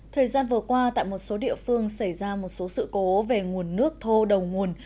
thời gian vừa qua tại một số địa phương xảy ra một số sự cố về nguồn nước thô đầu nguồn